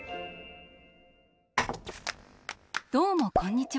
どうもこんにちは。